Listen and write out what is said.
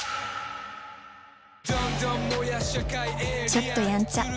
ちょっとやんちゃ。